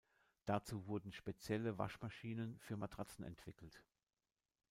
Dazu wurden spezielle Waschmaschinen für Matratzen entwickelt.